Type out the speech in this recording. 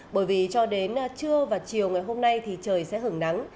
bởi vì cho đến trưa và chiều ngày hôm nay thì trời sẽ hứng nắng